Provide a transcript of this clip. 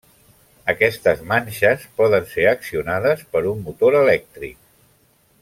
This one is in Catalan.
Aquestes manxes poden ser accionades per un motor elèctric.